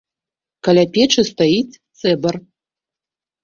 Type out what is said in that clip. Каля печы стаіць цэбар.